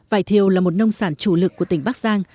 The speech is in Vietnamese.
vải thiều là một nông sản chủ lực của tỉnh bắc giang